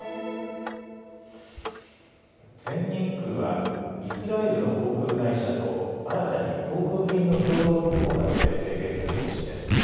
全日空はイスラエルの航空会社と新たに航空便の共同運航などで提携する方針です。